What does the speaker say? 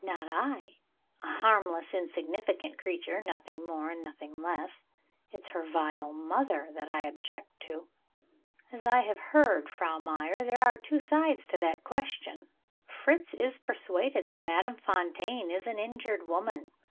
"Not I; a harmless insignificant creature nothing more and nothing less. It's her vile mother that I object to." "As I have heard, Frau Meyer, there are two sides to that question. Fritz is persuaded that Madame Fontaine is an injured woman.